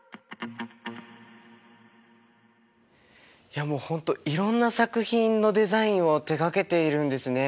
いやもう本当いろんな作品のデザインを手がけているんですね。